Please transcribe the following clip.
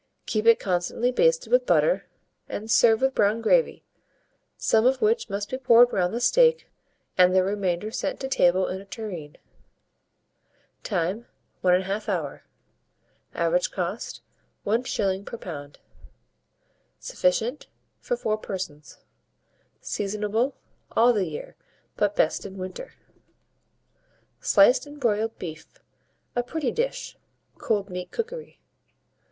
Keep it constantly basted with butter, and serve with brown gravy, some of which must be poured round the steak, and the remainder sent to table in a tureen. Time. 1 1/2 hour. Average cost, 1s. per lb. Sufficient for 4 persons. Seasonable all the year, but best in winter. SLICED AND BROILED BEEF a Pretty Dish (Cold Meat Cookery).